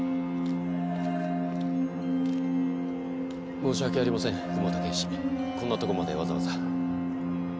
申し訳ありません雲田警視こんなとこまでわざわざ。